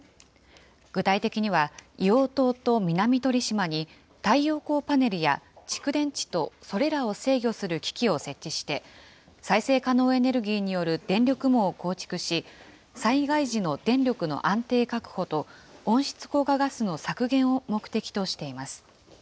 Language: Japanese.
具体的には、硫黄島と南鳥島に太陽光パネルや蓄電池とそれらを制御する機器を設置して、再生可能エネルギーによる電力網を構築し、災害時の電力の安定確保と、温室効果ガスの削減を目的としています。